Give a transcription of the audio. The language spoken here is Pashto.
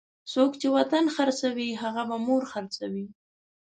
څوک چې وطن خرڅوي هغه به مور خرڅوي.